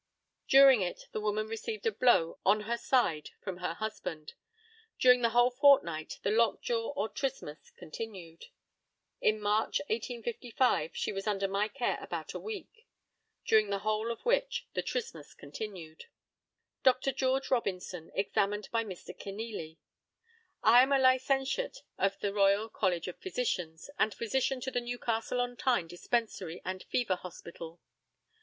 During it the woman received a blow on her side from her husband. During the whole fortnight the lockjaw or trismus continued. In March, 1855, she was under my care about a week, during the whole of which the trismus continued. Dr. GEORGE ROBINSON, examined by Mr. KENEALY: I am a licentiate of the Royal College of Physicians, and Physician to the Newcastle on Tyne Dispensary and Fever Hospital.